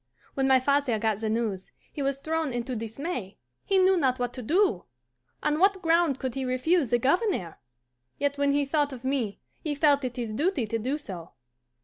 "When my father got the news, he was thrown into dismay. He knew not what to do. On what ground could he refuse the Governor? Yet when he thought of me he felt it his duty to do so.